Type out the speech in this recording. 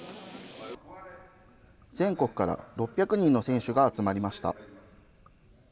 全国から６００人の選手が集まりました。